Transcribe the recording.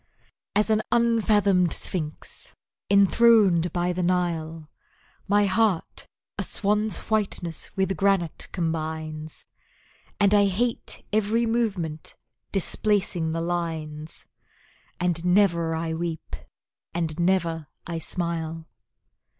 As an unfathomed sphinx, enthroned by the Nile, My heart a swan's whiteness with granite combines, And I hate every movement, displacing the lines, And never I weep and never I smile.